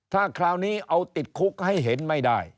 ถ้าคราวนี้เอาติดคุกให้เห็นไม่ได้